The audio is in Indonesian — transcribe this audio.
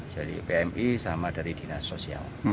jadi pmi sama dari dinas sosial